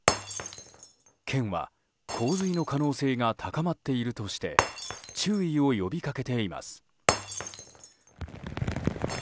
県は洪水の可能性が高まっているとして注意を呼びかけています。